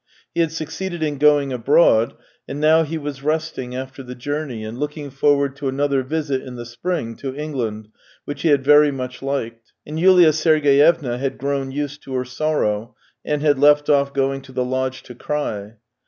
He had suc ceeded in going abroad, and now he was resting after the journey and looking forward to another visit in the spring to England, which he had very much liked. And Yulia Sergeyevna had grown used to lior sorrow, and had left off going to the lodge to cry.